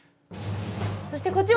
そしてこっちも。